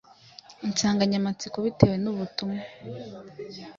insanganyamatsiko bitewe n’ubutumwa